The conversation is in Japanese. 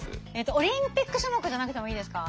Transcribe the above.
オリンピック種目じゃなくてもいいですか？